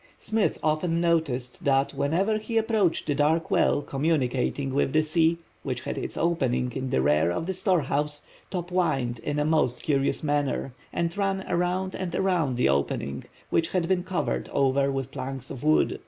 Smith often noticed that whenever he approached the dark well communicating with the sea, which had its opening in the rear of the storehouse, Top whined in a most curious manner, and ran around and around the opening, which had been covered over with planks of wood.